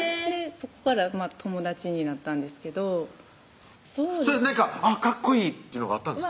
そこから友達になったんですけどそれはなんかあっかっこいいっていうのがあったんですか？